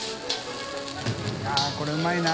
◆舛これうまいな。